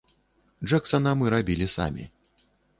Джэксана мы рабілі самі.